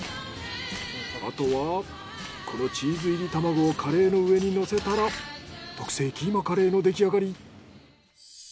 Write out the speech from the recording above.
あとはこのチーズ入り玉子をカレーの上に乗せたら特製キーマカレーのできあがり。